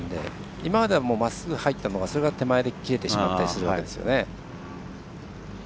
今まではまっすぐ入ったものが手前に切れてしまったりするわけですよね。